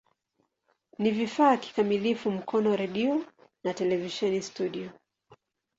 Ni vifaa kikamilifu Mkono redio na televisheni studio.